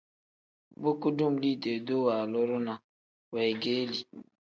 Bu kudum liidee-duu waaluru ne weegeeli.